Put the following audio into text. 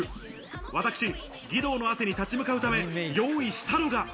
私、義堂の汗に立ち向かうため用意したのが。